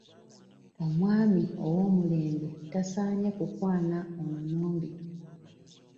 Omwami ow'omulembe tasaanye kukwana ono n'oli.